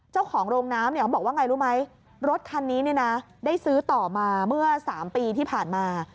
เจ้าของโรงน้ำเขาบอกว่าไงรู้ไหมรถคันนี้ได้ซื้อต่อมาเมื่อ๓ปีที่ผ่านมา